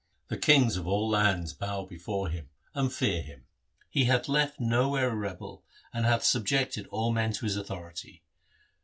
The kings of all lands bow before him, and fear him. He hath left nowhere a rebel, and hath subjected all men to his authority.